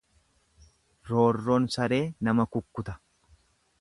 Roorroon saree nama kukkuta.